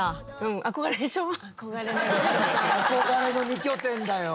憧れの２拠点だよ。